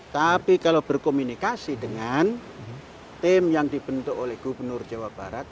tapi kalau berkomunikasi dengan tim yang dibentuk oleh gubernur jawa barat